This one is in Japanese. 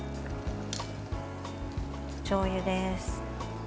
しょうゆです。